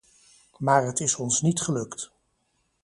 Maar het is ons niet gelukt.